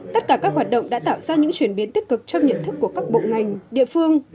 tất cả các hoạt động đã tạo ra những chuyển biến tích cực trong nhận thức của các bộ ngành địa phương